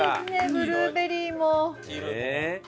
ブルーベリーが。